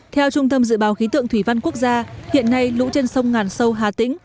theo trung tâm dự báo khí tượng thủy văn quốc gia hiện nay lũ trên sông ngàn sâu hà tĩnh